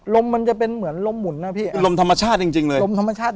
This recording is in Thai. มันจะเป็นเหมือนลมหมุนนะพี่ลมธรรมชาติจริงจริงเลยลมธรรมชาติ